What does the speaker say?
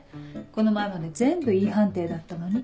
この前まで全部Ｅ判定だったのに。